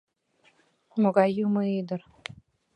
Могай юмынӱдыр?..